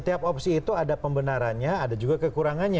kalau ada pembenarannya ada juga kekurangannya